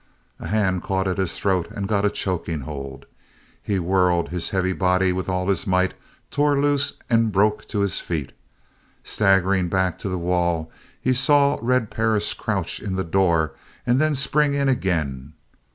A hand caught at his throat and got a choking hold. He whirled his heavy body with all his might, tore lose, and broke to his feet. Staggering back to the wall, he saw Red Perris crouch in the door and then spring in again.